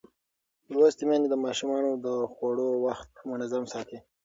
لوستې میندې د ماشومانو د خوړو وخت منظم ساتي.